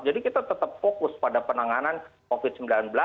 jadi kita tetap fokus pada penanganan covid sembilan belas